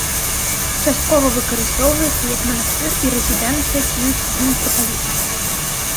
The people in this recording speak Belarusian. Часткова выкарыстоўваецца, як манастыр і рэзідэнцыя кіеўскага мітрапаліта.